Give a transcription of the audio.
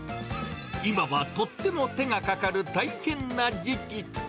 今はとっても手がかかる大変な時期。